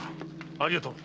ありがとう。